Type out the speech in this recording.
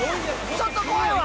ちょっと怖いわ。